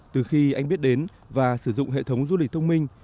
từ khi anh biết đến và sử dụng hệ thống du lịch thông minh